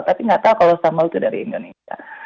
tapi nggak tahu kalau sambal itu dari indonesia